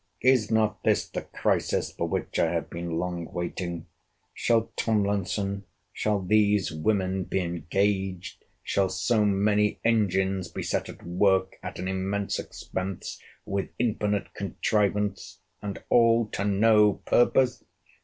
Is not this the crisis for which I have been long waiting? Shall Tomlinson, shall these women be engaged; shall so many engines be set at work, at an immense expense, with infinite contrivance; and all to no purpose?